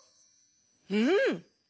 うん。